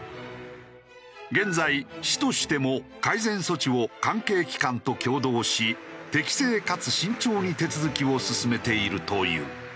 現在市としても改善措置を関係機関と協働し適正かつ慎重に手続きを進めているという。